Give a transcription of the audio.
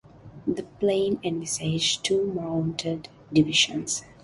The plan envisaged two mounted divisions.